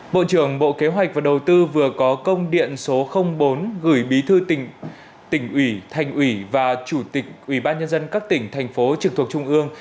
bộ trưởng bộ kế hoạch và đầu tư vừa có công điện số bốn gửi bí thư tỉnh ủy thành ủy và chủ tịch ủy ban nhân dân các tỉnh thành phố trực thuộc trung ương